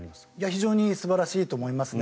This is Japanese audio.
非常に素晴らしいと思いますね。